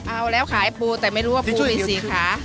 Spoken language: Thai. เอาแล้วค่ะไอ้ปูแต่ไม่รู้ว่าปูมี๔ขา